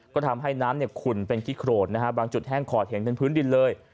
ก็ทำให้น้ำขุ่นเป็นขี้โครนบางจุดแห้งขอดเห็นเป็นพื้นดินเลย